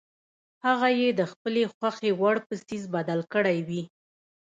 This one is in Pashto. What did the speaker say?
هغه یې د خپلې خوښې وړ په څیز بدل کړی وي.